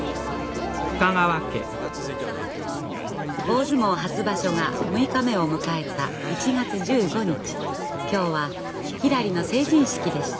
大相撲初場所が６日目を迎えた１月１５日今日はひらりの成人式でした。